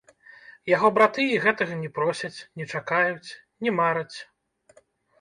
Яго браты і гэтага не просяць, не чакаюць, не мараць.